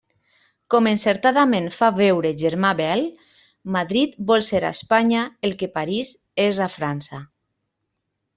Com encertadament fa veure Germà Bel, Madrid vol ser a Espanya el que París és a França.